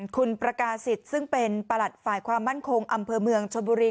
คุณประกาศิษย์ซึ่งเป็นประหลัดฝ่ายความมั่นคงอำเภอเมืองชนบุรี